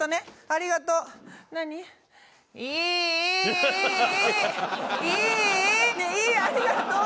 ありがとう！